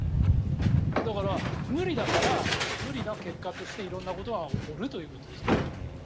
だから、無理だから無理な結果として色んなことが起こるということですね。